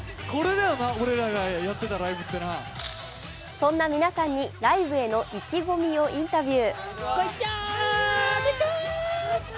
そんな皆さんにライブへの意気込みをインタビュー。